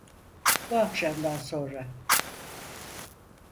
Bu akşamdan sonra…